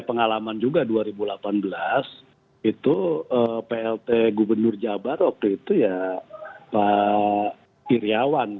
pengalaman juga dua ribu delapan belas itu plt gubernur jabar waktu itu ya pak iryawan